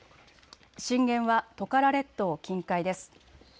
震源はトカラ列島近海です。